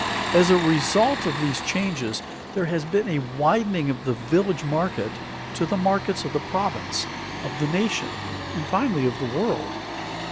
As a result of these changes, there has been a widening of the village market to the markets of the province, of the nation, and finally of the world.